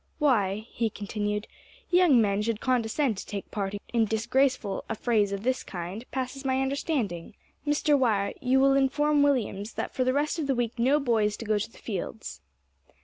"Why," he continued, "young men should condescend to take part in disgraceful affrays of this kind passes my understanding. Mr. Wire, you will inform Williams that for the rest of the week no boy is to go to fields."